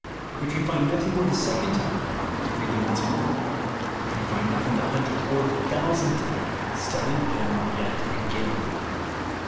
If you find nothing the second time, read them once more. If you find nothing the hundredth or the thousandth time, study them yet again.